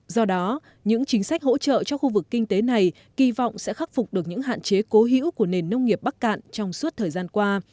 do đó những chính sách hỗ trợ cho khu vực kinh tế này kỳ vọng sẽ khắc phục được những hạn chế cố hữu của nền nông nghiệp bắc cạn trong suốt thời gian qua